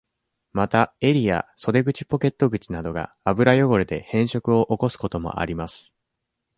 また、襟や、袖口ポケット口などが、油汚れで変色を起こすこともあります。